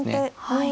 はい。